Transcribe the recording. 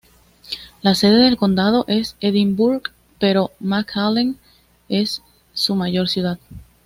La sede del condado es Edinburg, pero McAllen es su mayor ciudad.